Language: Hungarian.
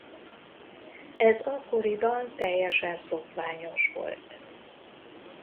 Ez akkoriban teljesen szokványos volt.